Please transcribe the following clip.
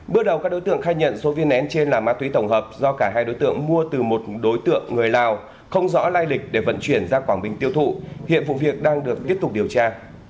bước đầu các đối tượng khai nhận số viên nén trên là ma túy tổng hợp do cả hai đối tượng mua từ một đối tượng người lào không rõ lai lịch để vận chuyển ra quảng bình tiêu thụ hiện vụ việc đang được tiếp tục điều tra